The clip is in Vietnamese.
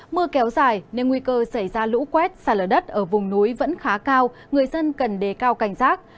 mưa kéo dài nên nguy cơ xảy ra lũ quét xa lở đất ở vùng núi vẫn khá cao người dân cần đề cao cảnh giác